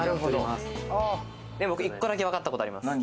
僕１個だけわかったことあります。